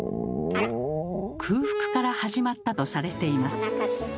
「空腹」から始まったとされています。